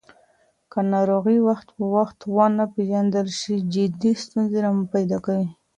که ناروغي وخت په وخت ونه پیژندل شي، جدي ستونزې راپیدا کېږي.